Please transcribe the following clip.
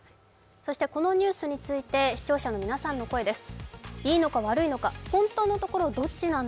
このニュースについて、視聴者の皆さんの声です。